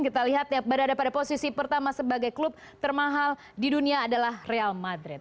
kita lihat yang berada pada posisi pertama sebagai klub termahal di dunia adalah real madrid